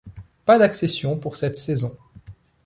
Pas d'accession pour cette saison.